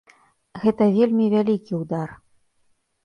Гэта вельмі вялікі ўдар.